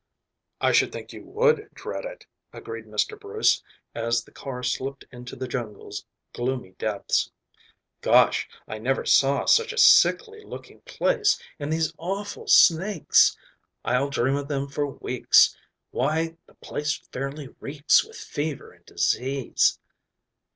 "I should think you would dread it," agreed Mr. Bruce as the car slipped into the jungle's gloomy depths. "Gosh, I never saw such a sickly looking place and these awful snakes. I'll dream of them for weeks. Why, the place fairly reeks with fever and disease."